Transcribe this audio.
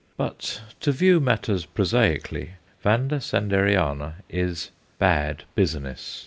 But, to view matters prosaically, Vanda Sanderiana is "bad business."